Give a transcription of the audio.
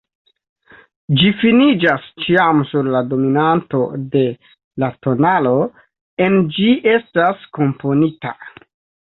Ĝi finiĝas ĉiam sur la dominanto de la tonalo, en kiu ĝi estas komponita.